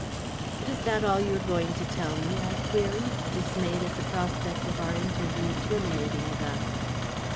"But is that all you are going to tell me?" I queried, dismayed at the prospect of our interview terminating thus.